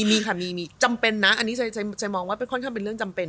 มีค่ะมีจำเป็นนะอันนี้ใจมองว่าค่อนข้างเป็นเรื่องจำเป็น